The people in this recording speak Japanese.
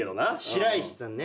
白石さんね。